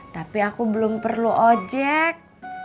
tapi aku belum perlu ojek